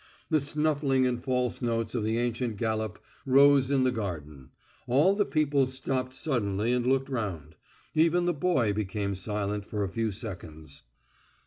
The snuffling and false notes of the ancient galop rose in the garden. All the people stopped suddenly and looked round; even the boy became silent for a few seconds.